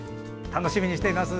楽しみにしています。